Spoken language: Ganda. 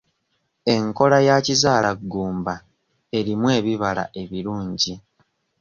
Enkola ya kizaalaggumba erimu ebibala ebirungi.